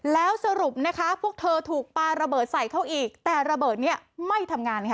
แล้วสรุปนะคะพวกเธอถูกปลาระเบิดใส่เขาอีกแต่ระเบิดนี้ไม่ทำงานค่ะ